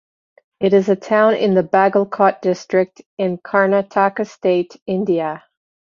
It is a town in the Bagalkot District in Karnataka state, India.